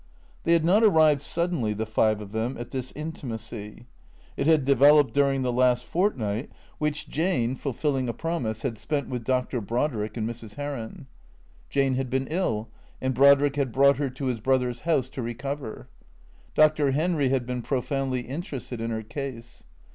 They had not arrived suddenly, the five of them, at this inti macy. It had developed during the last fortnight, which Jane, 244 THE CEEA TORS fulfilling a promise, had spent with Dr. Brodrick and Mrs. Heron. Jane had been ill, and Brodrick had brought her to his brother's house to recover. Dr. Henry had been profoundly interested in her case.